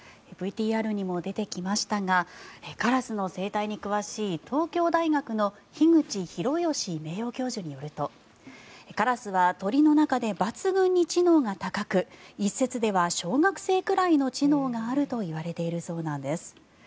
ＶＴＲにも出てきましたがカラスの生態に詳しい東京大学の樋口広芳名誉教授によるとカラスは鳥の中で抜群に知能が高く一説では小学生くらいの知能があるといわれているそうなんです。